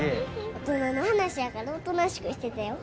大人の話やからおとなしくしてたよ。